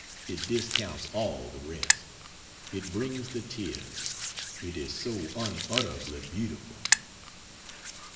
It discounts all the rest. It brings the tears, it is so unutterably beautiful.